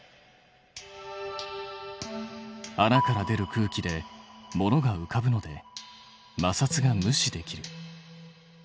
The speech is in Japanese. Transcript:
穴から出る空気で物がうかぶのでまさつが無視できる。